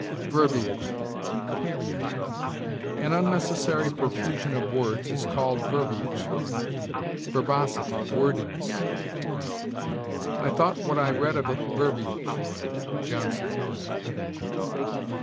VERBIAGE. An unnecessary profusion of words is called verbiage: verbosity, wordiness. "I thought what I read of it verbiage." Johnson.